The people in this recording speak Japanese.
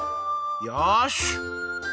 よし！